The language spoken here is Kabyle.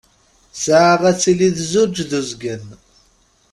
Ssaɛa ad tili d zzuǧ d uzgen.